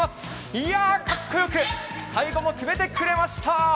いやぁ、かっこよく、最後も決めてくれました。